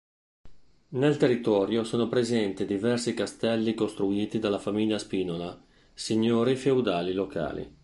Nel territorio sono presenti diversi castelli costruiti dalla famiglia Spinola, signori feudali locali.